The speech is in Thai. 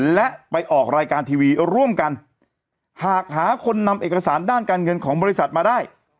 และไปออกรายการทีวีร่วมกันหากหาคนนำเอกสารด้านการเงินของบริษัทมาได้